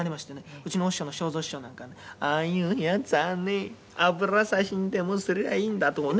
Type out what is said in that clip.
うちのお師匠の正蔵師匠なんかは“ああいうヤツはね油差しにでもすりゃあいいんだ”とかね」